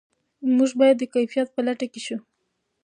موږ باید د کیفیت په لټه کې شو.